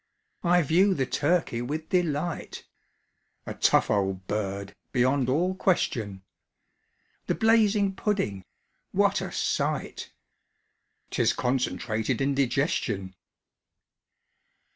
) I view the turkey with delight, (A tough old bird beyond all question!) The blazing pudding what a sight! ('Tis concentrated indigestion!